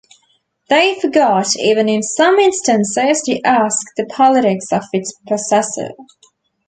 They forgot even in some instances to ask the politics of its possessor.